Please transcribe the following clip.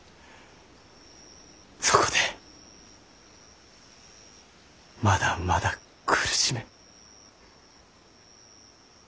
そこでまだまだ苦しめ。